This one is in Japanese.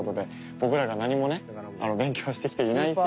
僕らが何もね勉強してきていないせいで。